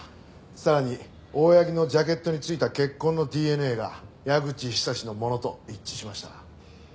さらに大八木のジャケットに付いた血痕のＤＮＡが矢口久志のものと一致しました。